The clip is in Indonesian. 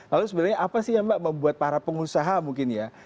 lalu sebenarnya apa sih yang mbak membuat para pengusaha mungkin ya